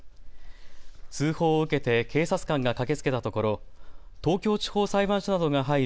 通報を受けて警察官が駆けつけたところ東京地方裁判所などが入る